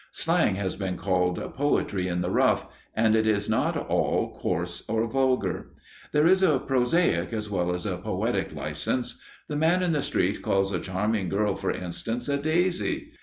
Slang has been called "poetry in the rough," and it is not all coarse or vulgar. There is a prosaic as well as a poetic license. The man in the street calls a charming girl, for instance, a "daisy."